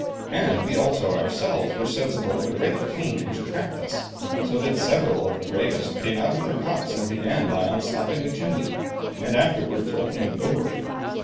And we also ourselves were sensible of a great pain which attacked us, so that several of the bravest came out of their cots and began by unstopping the chimney, and afterwards opening the door.